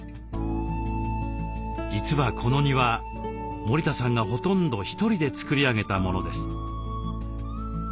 実はこの庭森田さんがほとんど１人でつくり上げたものです。